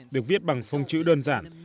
được viết bằng phông chữ đơn giản